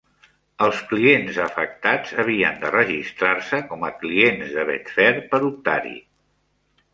Els clients afectats havien de registrar-se com a clients de Betfair per optar-hi.